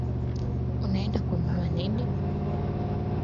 Unaenda kununua nini?